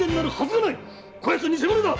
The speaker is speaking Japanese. こやつ偽者だ！